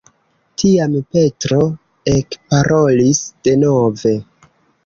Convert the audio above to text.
Tiam Petro ekparolis denove.